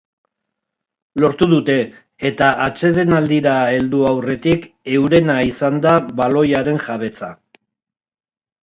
Lortu dute, eta atsedenaldira heldu aurretik eurena izan da baloiaren jabetza.